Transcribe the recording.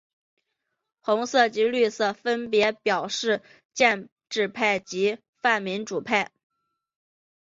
红色及绿色分别表示建制派及泛民主派。